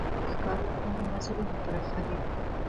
باز د ښکار لپاره وزرونه پراخوي